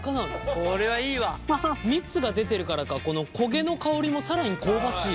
蜜が出てるからかこの焦げの香りも更に香ばしい。